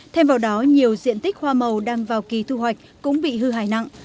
thêm vào đó nhiều diện tích hoa màu đang vào kỳ thu hoạch cũng bị hư hại nặng